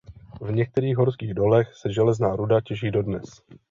V některých horských dolech se železná ruda těží dodnes.